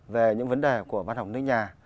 về những vấn đề của văn học nước nhà